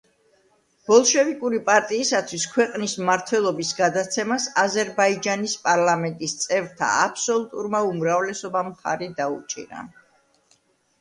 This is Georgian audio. ბოლშევიკური პარტიისათვის ქვეყნის მმართველობის გადაცემას აზერბაიჯანის პარლამენტის წევრთა აბსოლუტურმა უმრავლესობამ მხარი დაუჭირა.